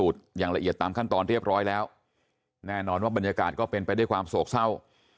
อย่างละเอียดตามขั้นตอนเรียบร้อยแล้วแน่นอนว่าบรรยากาศก็เป็นไปด้วยความโศกเศร้า